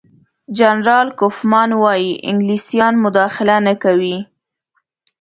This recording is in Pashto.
جنرال کوفمان وايي انګلیسان مداخله نه کوي.